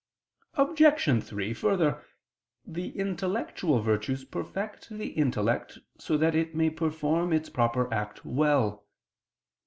Obj. 3: Further, the intellectual virtues perfect the intellect so that it may perform its proper act well.